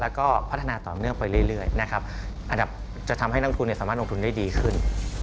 แล้วก็พัฒนาต่อเนื่องไปเรื่อยนะครับอันดับจะทำให้นักทุนสามารถลงทุนได้ดีขึ้น